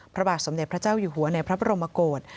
ภรรยสมเด็จพระเจ้ายูหูะในพระบรมโมโกต